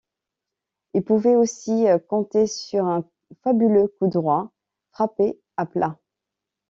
Il pouvait aussi compter sur un fabuleux coup droit, frappé à plat.